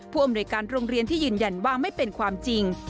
อำนวยการโรงเรียนที่ยืนยันว่าไม่เป็นความจริง